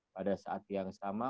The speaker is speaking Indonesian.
pada saat yang sama